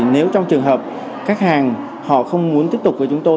nếu trong trường hợp khách hàng họ không muốn tiếp tục với chúng tôi